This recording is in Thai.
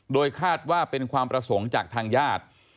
โดยคาดว่าเป็นความประสงค์จากทางญาติ